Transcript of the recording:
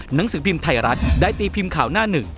หนังสือพิมพ์ไทยรัฐได้ตีพิมพ์ข่าวหน้าหนึ่ง